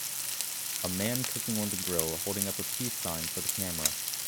A man cooking on the grill holding up a peace sign for the camera